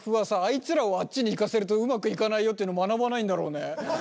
いつらをあっちに行かせるとうまくいかないよっていうの学ばないんだろうね。